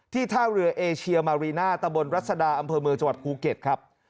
ท่าเรือเอเชียมารีน่าตะบนรัศดาอำเภอเมืองจังหวัดภูเก็ตครับ